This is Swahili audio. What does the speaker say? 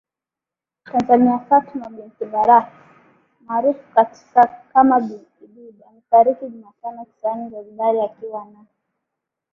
Tanzania Fatma binti Baraka maarufu kama Bi Kidude amefariki Jumatano kisiwani Zanzibar akiwa na